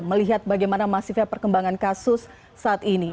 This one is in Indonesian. melihat bagaimana masifnya perkembangan kasus saat ini